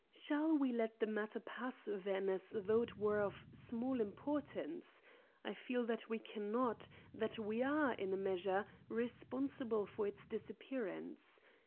Shall we let the matter pass, then, as though it were of small importance? I feel that we cannot; that we are, in a measure, responsible for its disappearance.